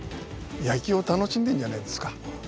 野球を楽しんでいるんじゃないですか。